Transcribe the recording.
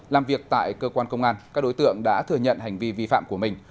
làm việc tại cơ quan công an các đối tượng đã thừa nhận hành vi vi phạm của mình